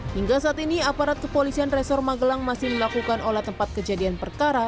hingga saat ini aparat kepolisian resor magelang masih melakukan olah tempat kejadian perkara